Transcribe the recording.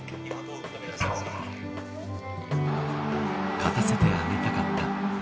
勝たせてあげたかった。